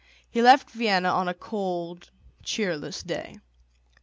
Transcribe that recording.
He left Vienna on a cold, cheerless day.